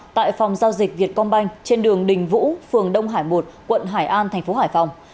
tại phòng giao dịch việt công banh trên đường đình vũ phường đông hải một quận hải an thành phố hải phòng